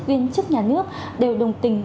viên chức nhà nước đều đồng tình